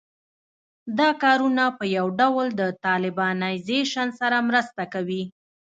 دا کارونه په یو ډول د طالبانیزېشن سره مرسته کوي